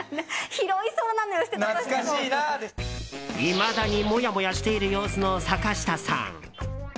いまだにモヤモヤしている様子の坂下さん。